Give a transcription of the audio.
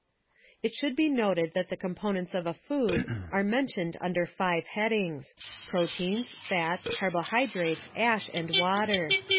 It should be noted that the components of a food are mentioned under five headings: proteins, fats, carbohydrates, ash, and water.